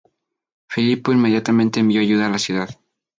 Filipo inmediatamente envió ayuda a la ciudad.